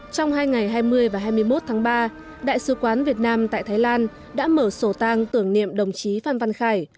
trong hai ngày hai mươi và hai mươi một tháng ba đại sứ quán việt nam tại thái lan đã mở sổ tăng tưởng niệm đồng chí phan văn khải